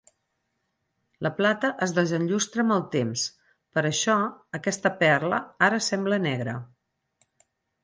La plata es desenllustra amb el temps, per això aquesta perla ara sembla negra.